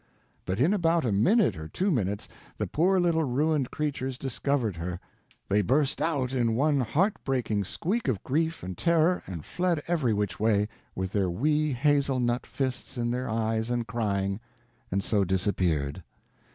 But in about a minute or two minutes the poor little ruined creatures discovered her. They burst out in one heartbreaking squeak of grief and terror and fled every which way, with their wee hazel nut fists in their eyes and crying; and so disappeared.